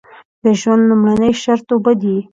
د ژوند لومړنی شرط اوبه دي.